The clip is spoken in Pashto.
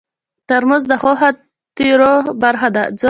ترموز د ښو خاطرو برخه ده.